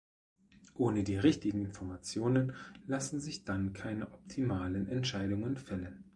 Ohne die richtigen Informationen lassen sich dann keine optimalen Entscheidungen fällen.